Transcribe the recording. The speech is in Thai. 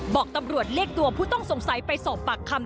บอกตำรวจเรียกตัวผู้ต้องสงสัยไปสอบปากคำ